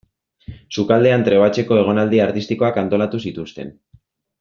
Sukaldean trebatzeko egonaldi artistikoak antolatu zituzten.